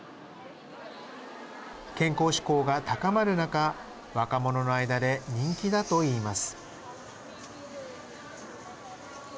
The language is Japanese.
健康志向が高まる中若者の間で人気だと言います。